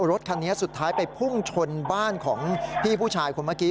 รถคันนี้สุดท้ายไปพุ่งชนบ้านของพี่ผู้ชายคนเมื่อกี้